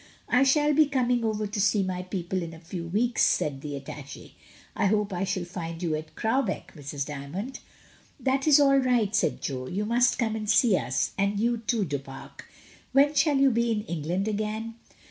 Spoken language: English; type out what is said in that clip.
"I shall be coming over to see my people in a few weeks," said the attache. "I hope I shall find you at Crowbeck, Mrs. Dymond." "That is all right," said Jo. "You must come and see us, and you too, Du Pare. When shall you be in England again?"